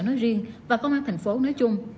nói riêng và công an tp hcm nói chung